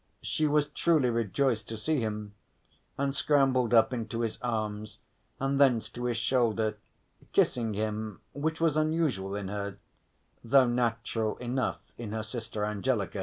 She was truly rejoiced to see him, and scrambled up into his arms, and thence to his shoulder, kissing him, which was unusual in her (though natural enough in her sister Angelica).